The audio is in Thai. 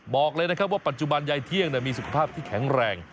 บอกเลยนะครับว่าปัจจุบันยายเที่ยงมีสุขภาพที่แข็งแรง